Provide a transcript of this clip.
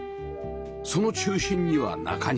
その中心には中庭